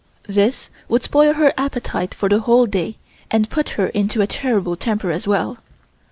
This would spoil her appetite for the whole day and put her into a terrible temper as well.